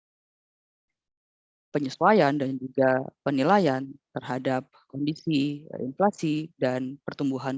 yaitu penyesuaian dan juga penilaian terhadap kondisi inflasi dan pertumbuhan